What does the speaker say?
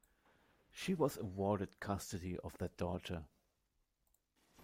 She was awarded custody of their daughter.